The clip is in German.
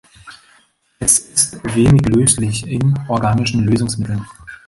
Es ist wenig löslich in organischen Lösungsmitteln.